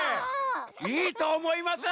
いいとおもいます！